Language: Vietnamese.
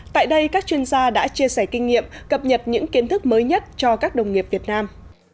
tại đây các chuyên gia đã chia sẻ kinh nghiệm cập nhật những kiến thức mới nhất cho các đồng nghiệp việt nam